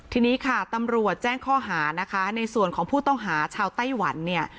ทีนี้ค่ะตำรวจแจ้งข้อหานะคะในส่วนของผู้ต้องหาชาวไต้หวันเนี่ย